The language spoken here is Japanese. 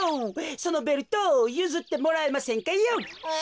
そのベルトゆずってもらえませんかヨー。